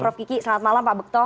prof kiki selamat malam pak bekto